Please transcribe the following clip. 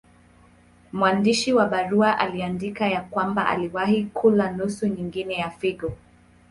Mwandishi wa barua aliandika ya kwamba aliwahi kula nusu nyingine ya figo.